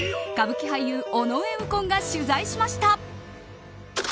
歌舞伎俳優、尾上右近が取材しました。